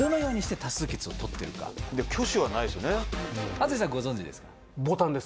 羽鳥さんご存じですか？